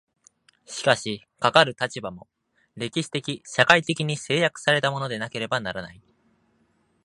しかしかかる立場も、歴史的社会的に制約せられたものでなければならない。